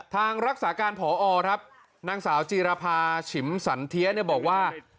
ทางรักษาการผอครับนางสาวจีรภาฉิมสันเทียบอกว่า